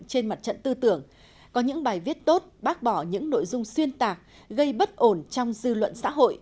trên mặt trận tư tưởng có những bài viết tốt bác bỏ những nội dung xuyên tạc gây bất ổn trong dư luận xã hội